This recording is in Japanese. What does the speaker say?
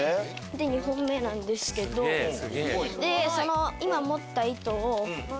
で２本目なんですけど今持った糸を。